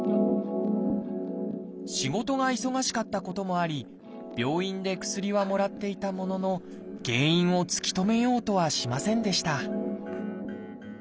仕事が忙しかったこともあり病院で薬はもらっていたものの原因を突き止めようとはしませんでした